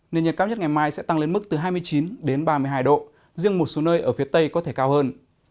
nền nhiệt cao nhất ngày mai sẽ tăng lên mức từ hai mươi chín đến ba mươi hai độ riêng một số nơi ở phía tây có thể cao hơn